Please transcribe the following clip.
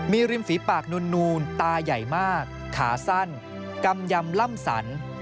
มีริมฝีปากนูนตาใหญ่มากขาสั้นกำยำล่ำสัน